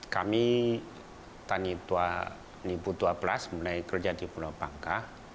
kami tahun dua ribu dua belas mulai kerja di pulau bangka